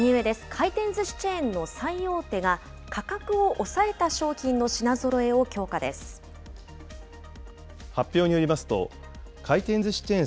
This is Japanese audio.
回転ずしチェーンの最大手が、価格を抑えた商品の品ぞろえを強化発表によりますと回転ずしチェーン